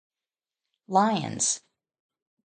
Lions.